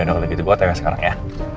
ya udah kalau begitu gue otak otak sekarang ya